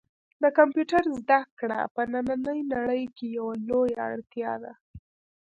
د کمپیوټر زده کړه په نننۍ نړۍ کې یوه لویه اړتیا ده.